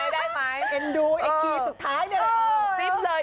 ได้ไหมเห็นดู้นายทีสุดท้าย